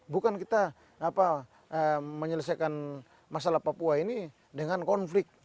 bukan kita menyelesaikan masalah papua ini dengan konflik